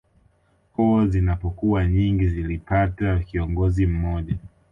Koo zinapokuwa nyingi zilipata kiongozi mmoja